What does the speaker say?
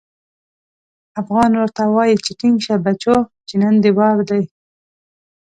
افغان ورته وايي چې ټينګ شه بچو چې نن دې وار دی.